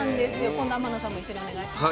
今度天野さんも一緒にお願いします。